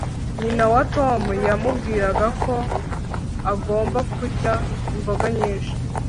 nyina wa tom yamubwiraga ko agomba kurya imboga nyinshi